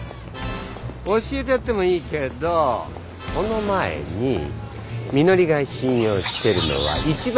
教えてやってもいいけどその前にみのりが信用してるのは。